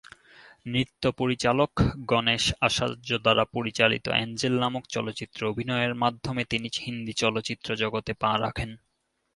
নৃত্য পরিচালক গণেশ আচার্য দ্বারা পরিচালিত "অ্যাঞ্জেল" নামক চলচ্চিত্রে অভিনয়ের মাধ্যমে তিনি হিন্দি চলচ্চিত্র জগতে পা রাখেন।